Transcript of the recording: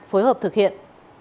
phối hợp thực hiện